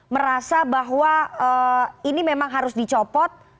merasa bahwa ini memang harus dicopot